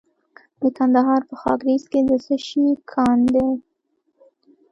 د کندهار په خاکریز کې د څه شي کان دی؟